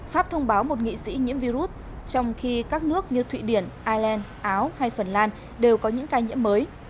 pháp thông báo một nghị sĩ nhiễm virus trong khi các nước như thụy điển ireland áo hay phần lan đều có những ca nhiễm mới